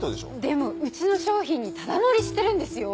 でもうちの商品にタダ乗りしてるんですよ？